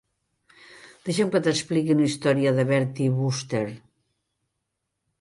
Deixa'm que t'expliqui una història de Bertie Wooster.